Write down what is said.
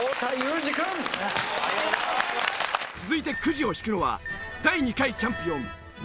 続いてくじを引くのは第２回チャンピオン宮崎美子。